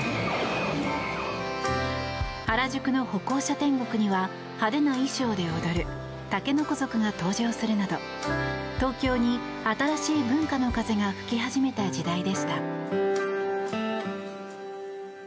原宿の歩行者天国には派手な衣装で踊る竹の子族が登場するなど東京に新しい文化の風が吹き始めた時代でした。